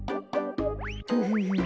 フフフフ。